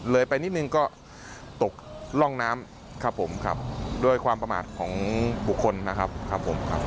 เลยนไปนิดนึงก็ตกร่องน้ำครับด้วยความประมาทของบุคคลครับ